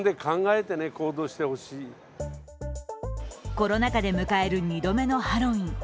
コロナ禍で迎える２度目のハロウィーン。